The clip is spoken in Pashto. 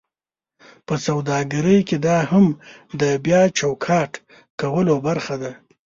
په سوداګرۍ کې دا هم د بیا چوکاټ کولو برخه ده: